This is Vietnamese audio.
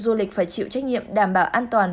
du lịch phải chịu trách nhiệm đảm bảo an toàn